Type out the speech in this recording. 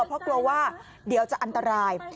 เพราะกลัวว่าเดี๋ยวจะอันตราย